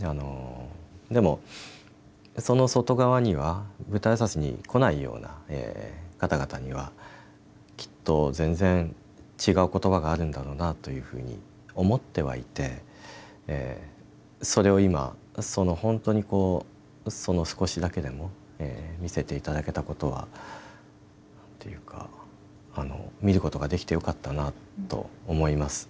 でも、その外側には舞台挨拶に来ないような方々にはきっと全然違う言葉があるんだろうなというふうに思ってはいてそれを今、本当に少しだけでも見せていただけたことはなんていうか見ることができてよかったなと思います。